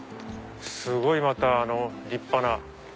すごいまた立派な。